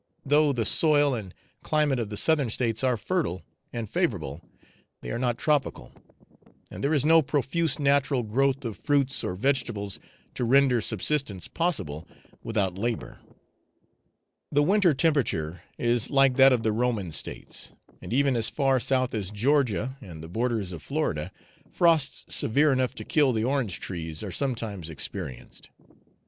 Though the soil and climate of the Southern States are fertile and favourable, they are not tropical, and there is no profuse natural growth of fruits or vegetables to render subsistence possible without labour; the winter temperature is like that of the Roman States; and even as far south as Georgia and the borders of Florida, frosts severe enough to kill the orange trees are sometimes experienced.